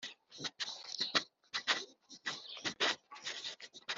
Uri kungora cyane rwose